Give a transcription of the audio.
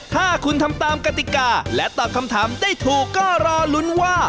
ถ้าคุณทำตามกติกาและตอบคำถามได้ถูกก็รอลุ้นว่า